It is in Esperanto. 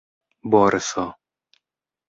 borso